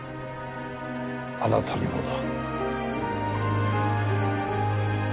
あなたにもだ。